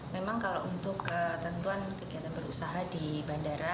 memang kalau untuk ketentuan kegiatan berusaha di bandara